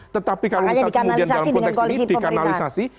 tetapi kalau misal kemudian dalam konteks ini dikanalisasi